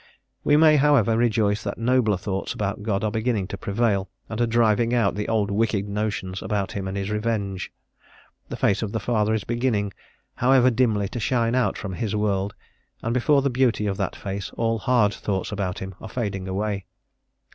We may, however, rejoice that nobler thoughts about God are beginning to prevail, and are driving out the old wicked notions about Him and His revenge. The Face of the Father is beginning, however dimly, to shine out from His world, and before the Beauty of that Face all hard thoughts about Him are fading away.